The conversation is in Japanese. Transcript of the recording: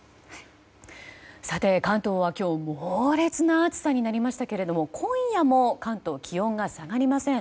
関東は今日猛烈な暑さになりましたが今夜も関東気温が下がりません。